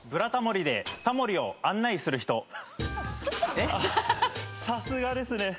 あっさすがですね。